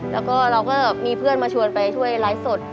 แล้วก็เราก็มีเพื่อนมาชวนไปช่วยไลฟ์สด